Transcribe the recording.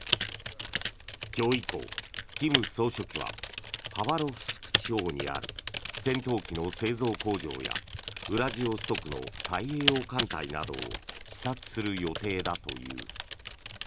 今日以降、金総書記はハバロフスク地方にある戦闘機の製造工場やウラジオストクの太平洋艦隊などを視察する予定だという。